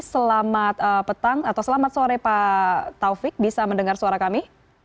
selamat petang atau selamat sore pak taufik bisa mendengar suara kami